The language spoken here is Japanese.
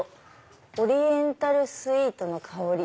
「オリエンタルスウィートの香り」。